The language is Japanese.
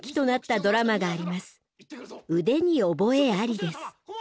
「腕におぼえあり」です。